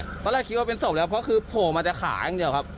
ตอนแรกคิดว่าเป็นศพแล้วเพราะคือโผล่มาแต่ขาอย่างเดียวครับ